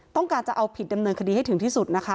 ต้องการจะเอาผิดดำเนินคดีให้ถึงที่สุดนะคะ